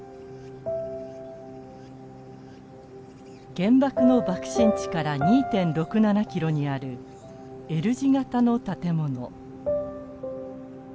原爆の爆心地から２．６７ｋｍにあるＬ字型の建物。